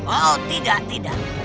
oh tidak tidak